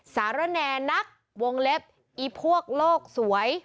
สารแนนักวงเล็บอีพวกโลกสวย